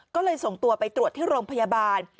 ก็เลยส่งตัวไปตรวจที่โรงพยาบาล